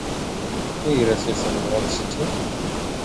He resides in New York City.